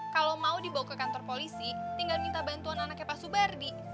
kalau mau dibawa ke kantor polisi tinggal minta bantuan anaknya pak subardi